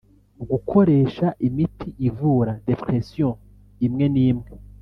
Gukoresha imiti ivura depression( imwe n’ imwe )